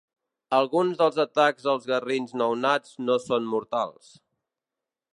Alguns dels atacs als garrins nounats no són mortals.